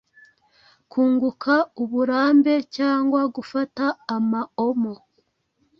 kunguka uburambe cyangwa gufata amaomo